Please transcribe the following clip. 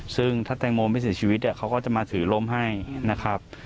ซึ่งถ้าแตงโมไม่เสียชีวิตเขาก็จะมาถือลมให้นะครับ